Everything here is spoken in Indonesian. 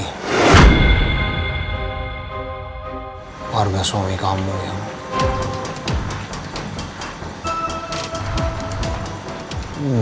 keluarga suami kamu yang